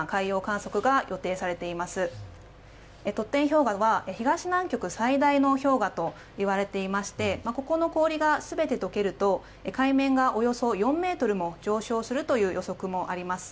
氷河は東南極最大の氷河といわれていてここの氷が全て解けると海面がおよそ４ｍも上昇するという予測もあります。